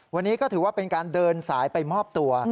วันนี้ก็ถือว่าเป็นการเดินสายไปมอบตัว